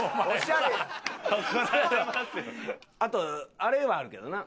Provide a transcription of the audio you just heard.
あとあれはあるけどな。